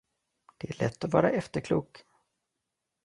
Det är lätt att vara efterklok.